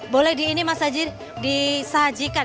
boleh di ini mas haji disajikan